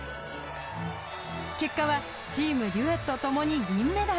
結果はチーム、デュエット共に銀メダル。